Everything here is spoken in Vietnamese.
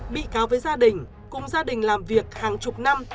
bị cáo với gia đình cùng gia đình làm việc hàng chục năm